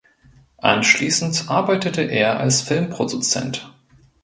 Anschließend arbeitete er als Filmproduzent.